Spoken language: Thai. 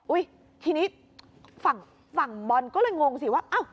อุ๊ยทีนี้ฝั่งบอลก็เลยงงสิว่าอ้าว